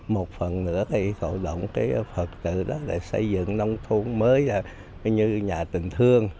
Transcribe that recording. một phần nữa thì thổ động phật tử đó để xây dựng nông thôn mới như nhà tình thương